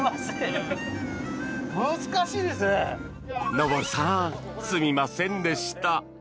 昇さん、すみませんでした！